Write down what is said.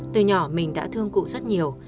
từ nhỏ mình đã thương cụ rất nhiều